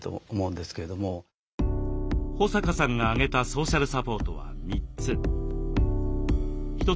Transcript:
保坂さんが挙げたソーシャルサポートは３つ。